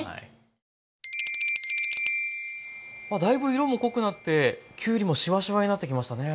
だいぶ色も濃くなってきゅうりもシワシワになってきましたね。